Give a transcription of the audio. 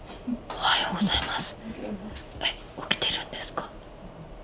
おはようございます。